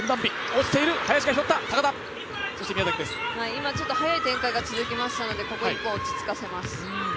今早い展開が続きましたのでここ１本、落ち着かせます。